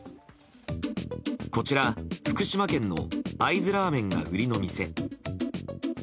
こちら、福島県の会津ラーメンが売りの店。